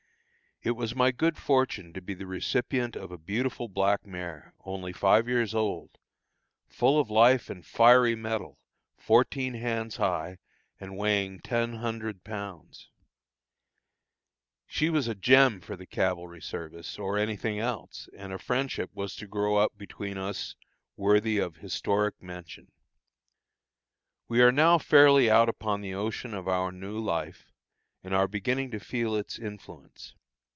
It was my good fortune to be the recipient of a beautiful black mare, only five years old, full of life and fiery metal, fourteen hands high, and weighing ten hundred pounds. She was a gem for the cavalry service, or any thing else, and a friendship was to grow up between us worthy of historic mention. We are now fairly out upon the ocean of our new life, and are beginning to feel its influence.